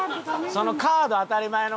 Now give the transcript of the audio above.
そのカード当たり前の感覚。